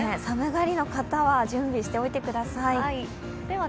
寒がりの方は準備しておいてください。